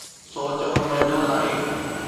سوچ به محدود آهي.